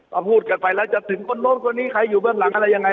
ก็พูดกันไปแล้วจะถึงคนโน้นคนนี้ใครอยู่เบื้องหลังอะไรยังไง